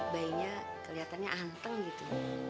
bayinya kelihatannya anteng gitu